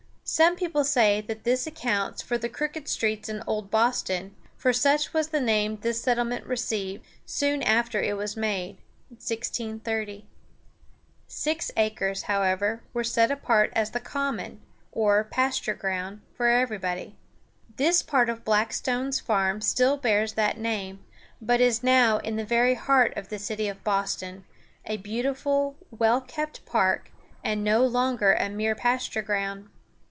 Some people say that this accounts for the crooked streets in old Boston, for such was the name this settlement received soon after it was made (1630). Six acres, however, were set apart as the Common, or pasture ground, for everybody. This part of Blackstone's farm still bears that name, but it is now in the very heart of the city of Boston, a beautiful, well kept park, and no longer a mere pasture ground.